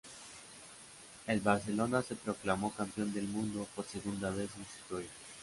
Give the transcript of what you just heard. El Barcelona se proclamó Campeón del Mundo por segunda vez en su historia.